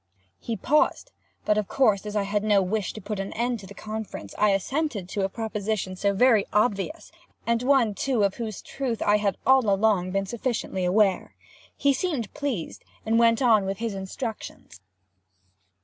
He paused. But, of course, as I had no wish to put an end to the conference, I assented to a proposition so very obvious, and one, too, of whose truth I had all along been sufficiently aware. He seemed pleased, and went on with his instructions.